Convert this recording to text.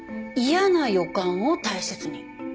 「嫌な予感を大切に！」